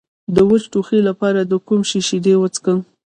د وچ ټوخي لپاره د کوم شي شیدې وڅښم؟